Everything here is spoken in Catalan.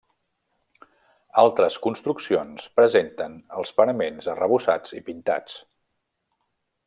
Altres construccions presenten els paraments arrebossats i pintats.